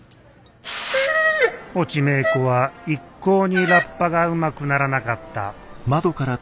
越智芽衣子は一向にラッパがうまくならなかったこら！